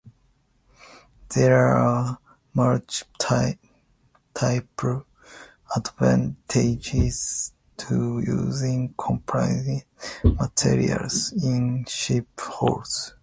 There are multiple advantages to using composite materials in ship hulls.